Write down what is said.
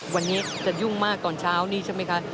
วันนี้จะยุ่งมากตอนเช้านี้ใช่ไหมคะ